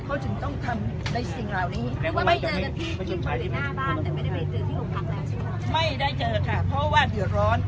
เขาจึงต้องทำได้สิ่งเหล่านี้ไม่ได้เจอค่ะเพราะว่าเดือดร้อน